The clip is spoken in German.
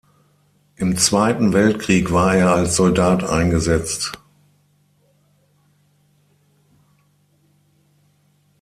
Im Zweiten Weltkrieg war er als Soldat eingesetzt.